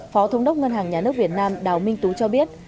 phó thống đốc ngân hàng nhà nước việt nam đào minh tú cho biết